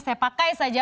saya pakai saja